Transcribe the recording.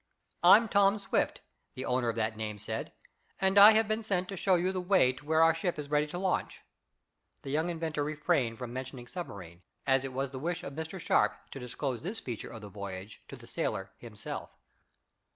"I'm Tom Swift," the owner of that name said, "and I have been sent to show you the way to where our ship is ready to launch." The young inventor refrained from mentioning submarine, as it was the wish of Mr Sharp to disclose this feature of the voyage to the sailor himself.